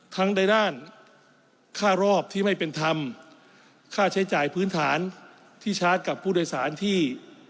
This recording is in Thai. ในด้านค่ารอบที่ไม่เป็นธรรมค่าใช้จ่ายพื้นฐานที่ชาร์จกับผู้โดยสารที่